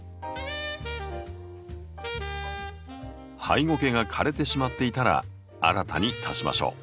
ハイゴケが枯れてしまっていたら新たに足しましょう。